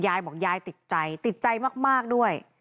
ยายบอกยายติดใจติดใจมากด้วย